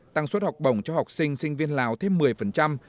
tăng suất học bổng cho học sinh sinh viên lào thêm một mươi